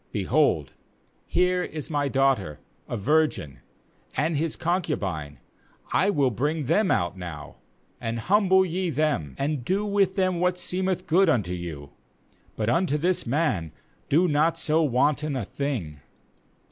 ^Behold, here is my daughter a virgin, and his concubine; I will bring them out now, and humble ye them, and do with them what seemeth good unto you; but unto this man do not so wanton a thing.'